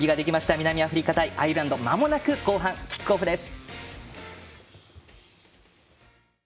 南アフリカ対アイルランドまもなく後半キックオフです。